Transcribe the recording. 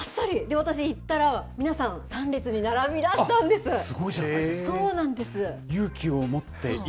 私、行ったら、皆さん、３列に並び出したんです。